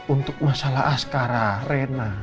untuk masalah askara rena